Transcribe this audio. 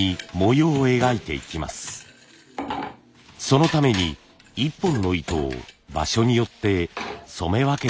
そのために一本の糸を場所によって染め分けています。